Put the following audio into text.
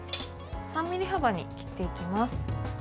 ３ｍｍ幅に切っていきます。